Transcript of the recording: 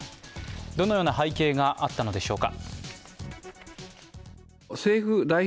どのような背景があったのでしょうか。